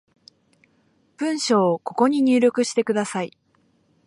文章をここに入力してください